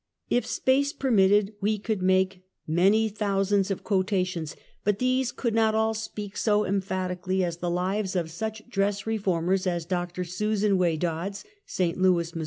If space permitted, we could make many thousands 106 UNMASKED. .of quotations, but these could not all speak so em phatically as the lives of such dress reformers as Dr. Susan Way Dodds, St. Louis, Mo.